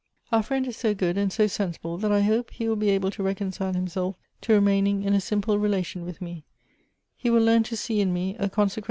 Our friend is so good and so sensible, that I hope he will be able to reconcile himself to remaining in a simple relation with me; h'e A'ill learn to see in me a consecr.